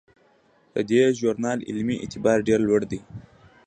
د دې ژورنال علمي اعتبار ډیر لوړ دی.